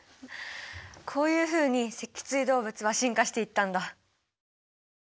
こういうふうに脊椎動物は進化していったんだ。